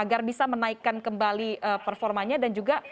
agar bisa menaikkan kembali performanya dan juga